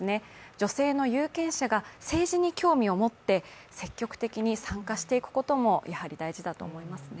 女性の有権者が政治に興味を持って積極的に参加していくこともやはり大事だと思いますね。